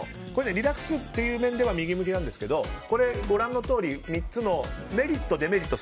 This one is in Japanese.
リラックスという面では右向きなんですけどご覧のとおり、３つのメリット、デメリット